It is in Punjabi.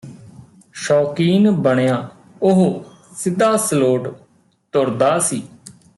ਸ਼ੌਕੀਨ ਬਣਿਆ ਉਹ ਸਿੱਧਾ ਸਲੋਟ ਤੁਰਦਾ ਸੀ